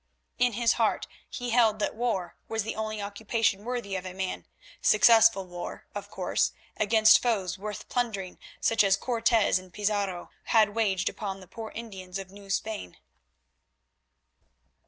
In his heart he held that war was the only occupation worthy of a man, successful war, of course, against foes worth plundering, such as Cortes and Pizarro had waged upon the poor Indians of New Spain.